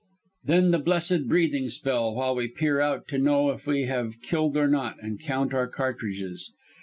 Then the blessed breathing spell, while we peer out to know if we have killed or not, and count our cartridges.